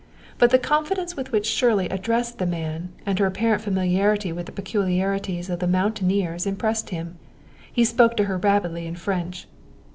But the confidence with which Shirley addressed the man, and her apparent familiarity with the peculiarities of the mountaineers impressed him. He spoke to her rapidly in French.